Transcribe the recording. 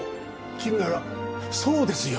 君ならそうですよ